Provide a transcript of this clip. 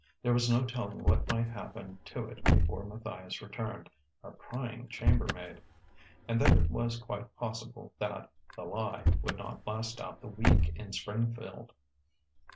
There was no telling what might happen to it before Matthias returned. A prying chambermaid.... And then it was quite possible that "The Lie" would not last out the week in Springfield.